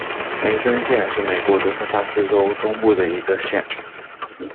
梅森县是美国德克萨斯州中部的一个县。